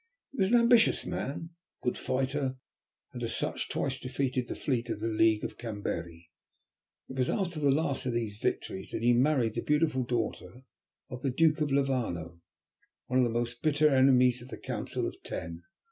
He was an ambitious man, a good fighter, and as such twice defeated the fleet of the League of Camberi. It was after the last of these victories that he married the beautiful daughter of the Duke of Levano, one of the most bitter enemies of the Council of Ten.